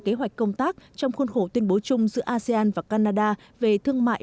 kế hoạch công tác trong khuôn khổ tuyên bố chung giữa asean và canada về thương mại